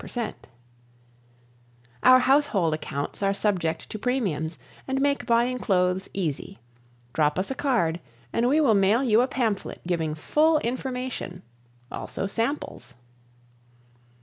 Our household accounts are subject to premiums, and make buying clothes easy. Drop us a card and we will mail you pamphlet giving full information, also samples.